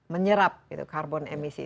menyerap karbon emisi